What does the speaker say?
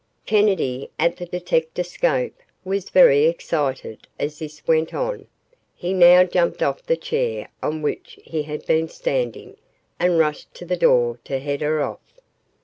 Kennedy at the detectascope was very excited as this went on. He now jumped off the chair on which he had been standing and rushed to the door to head her off.